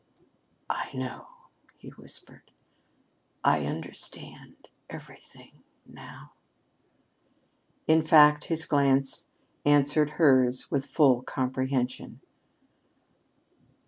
"I know," he whispered. "I understand everything now!" In fact, his glance answered hers with full comprehension.